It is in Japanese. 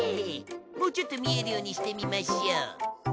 もうちょっと見えるようにしてみましょう。